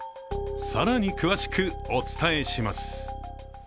更に詳しくお伝えします。